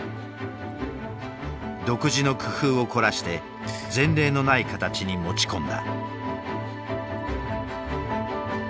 独自の工夫を凝らして前例のない形に持ち込んだ。